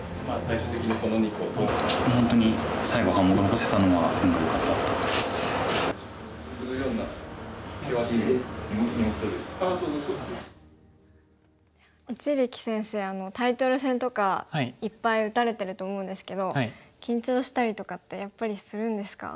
これで一力先生タイトル戦とかいっぱい打たれてると思うんですけど緊張したりとかってやっぱりするんですか？